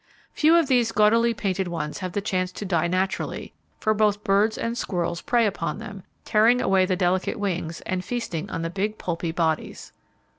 Few of these gaudily painted ones have the chance to die naturally, for both birds and squirrels prey upon them, tearing away the delicate wings, and feasting on the big pulpy bodies.